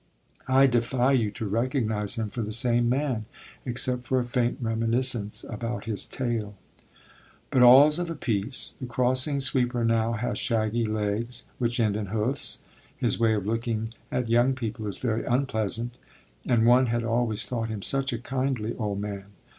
I defy you to recognise him for the same man except for a faint reminiscence about his tail. But all's of a piece. The crossing sweeper now has shaggy legs which end in hoofs. His way of looking at young people is very unpleasant; and one had always thought him such a kindly old man.